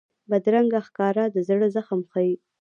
بدرنګه ښکاره د زړه غم ښيي